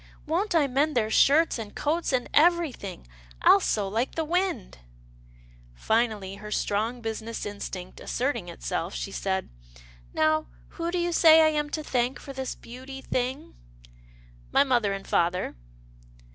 Won't I mend their shirts, and coats and everything — I'll sew like the wind !" Finally, her strong business instinct asserting it self, she said, " Now, who do you say I am to thank for this beauty thing ?"" My mother and father."